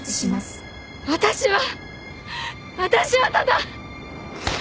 私は私はただ！